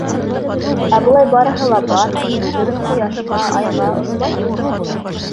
Ә былай барыһы ла бар, бөгөн ҡояшҡа, айға осмайһыңмы?